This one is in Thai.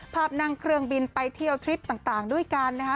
นั่งเครื่องบินไปเที่ยวทริปต่างด้วยกันนะคะ